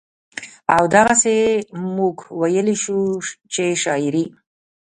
او دغسې مونږ وئيلے شو چې شاعري